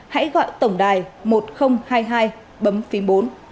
hãy gọi tổng đài một nghìn hai mươi hai bấm phím bốn